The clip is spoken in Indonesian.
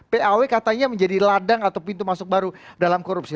paw katanya menjadi ladang atau pintu masuk baru dalam korupsi